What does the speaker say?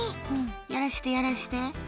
やらせて、やらせて。